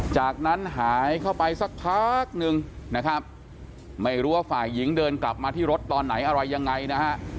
จากนั้นหายเข้าไปสักพักนึงนะครับไม่รู้ว่าฝ่ายหญิงเดินกลับมาที่รถตอนไหนอะไรยังไงนะฮะ